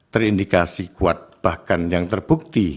terindikasi kuat bahkan yang terbukti